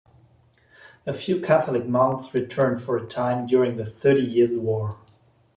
A few Catholic monks returned for a time during the Thirty Years' War.